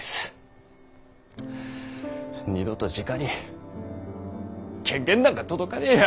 二度とじかに建言なんか届かねぇや。